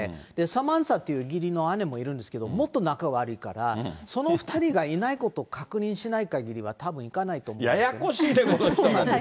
サマンサっていう義理の姉もいるんですけど、もっと仲悪いから、その２人がいないことを確認しないかぎりは、たぶん行かないと思うんですよね。